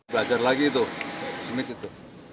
belajar lagi tuh smith itu